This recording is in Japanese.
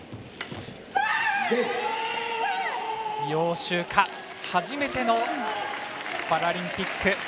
楊秋霞、初めてのパラリンピック。